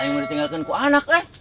yang mau ditinggalkan kok anak eh